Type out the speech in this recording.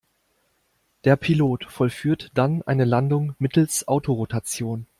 Der Pilot vollführt dann eine Landung mittels Autorotation.